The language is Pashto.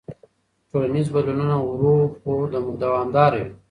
ټولنیز بدلونونه ورو خو دوامداره وي.